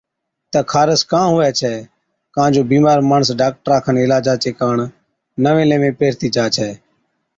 تہ خارس ڪان هُوَي ڇَي، ڪان جو بِيمار ماڻس ڊاڪٽرا کن عِلاجا چي ڪاڻ نَوين ليوين پيهرتِي جا ڇَي،